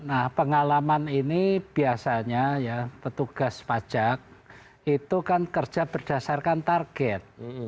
nah pengalaman ini biasanya ya petugas pajak itu kan kerja berdasarkan target